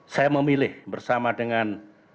saya memilih bersama dengan